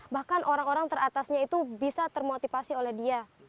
bahkan orang orang teratasnya itu bisa termotivasi oleh dia